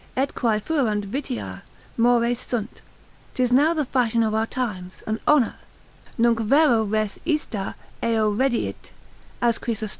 Et quae fuerunt vitia, mores sunt: 'tis now the fashion of our times, an honour: Nunc vero res ista eo rediit (as Chrysost.